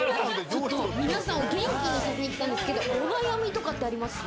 皆さんを元気にさせたいんですけれども、お悩みとかってありますか？